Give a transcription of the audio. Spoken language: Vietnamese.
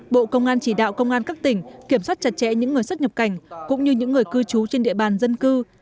bộ công an chỉ đạo công an các tỉnh kiểm soát chặt chẽ những người xuất nhập cảnh cũng như những người cư trú trên địa bàn dân cư